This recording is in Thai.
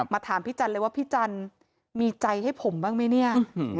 ถามพี่จันเลยว่าพี่จันมีใจให้ผมบ้างไหมเนี่ย